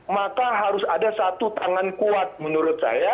maka harus ada satu tangan kuat menurut saya